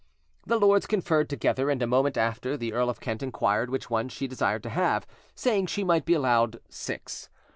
The lords conferred together; and a moment after the Earl of Kent inquired which ones she desired to have, saying she might be allowed six.